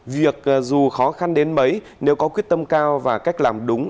việc dù khó khăn đến mấy nếu có quyết tâm cao và cách làm đúng